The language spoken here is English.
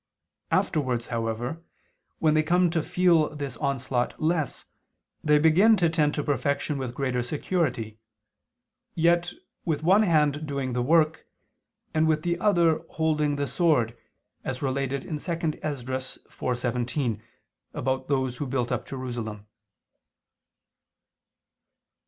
Afterwards, however, when they come to feel this onslaught less, they begin to tend to perfection with greater security; yet with one hand doing the work, and with the other holding the sword as related in 2 Esdr. 4:17 about those who built up Jerusalem.